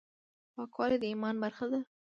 پاکوالي د ايمان برخه ده.